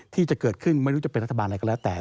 ที่จะเกิดขึ้นไม่รู้จะเป็นรัฐบาลอะไรก็แล้วแต่